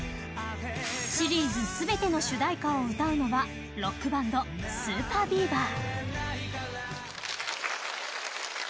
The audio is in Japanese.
シリーズ全ての主題歌を歌うのはロックバンド ＳＵＰＥＲＢＥＡＶＥＲ。